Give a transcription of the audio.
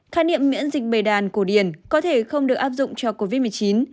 khái niệm miễn dịch bầy đàn cổ điển có thể không được áp dụng cho covid một mươi chín